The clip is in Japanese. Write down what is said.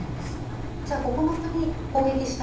じゃあここの国攻撃したいな。